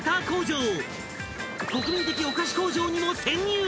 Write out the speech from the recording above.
［国民的お菓子工場にも潜入！］